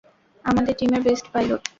আমাদের টিমের best pilot.